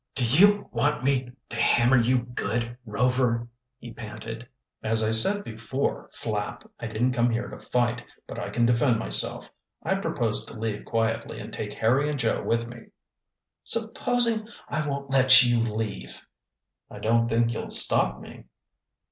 "Do you want me to hammer you good, Rover?" he panted. "As I said before, Flapp, I didn't come here to fight, but I can defend myself. I propose to leave quietly, and take Harry and Joe with me." "Supposing I won't let you leave?" "I don't think you'll stop me."